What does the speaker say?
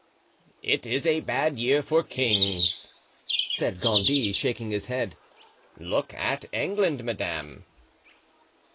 "It is a bad year for kings," said Gondy, shaking his head; "look at England, madame."